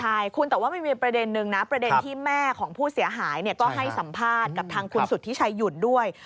ใช่คุณแต่ว่ามันมีประเด็นนึงนะประเด็นที่แม่ของผู้เสียหายก็ให้สัมภาษณ์กับทางคุณสุธิชัยหยุ่นด้วย